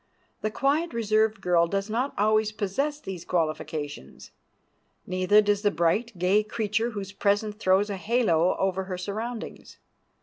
The quiet, reserved girl does not always possess these qualifications; neither does the bright, gay creature, whose presence throws a halo over her surroundings.